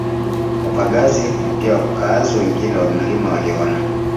Wapagazi na pia wakazi wengine wa mlima waliona